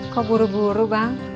kok buru buru bang